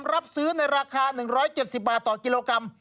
รับซื้อในราคา๑๗๐บาทต่อกิโลกรัม